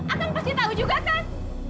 akang pasti tau juga kan